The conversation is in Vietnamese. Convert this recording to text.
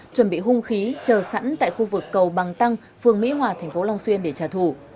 chuẩn bị hung khí chờ sẵn tại khu vực cầu bằng tăng phường mỹ hòa thành phố long xuyên để trả thù